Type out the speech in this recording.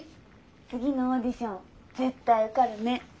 次のオーディション絶対受かるね。